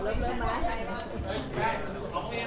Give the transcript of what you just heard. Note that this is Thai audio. สวัสดีค่ะ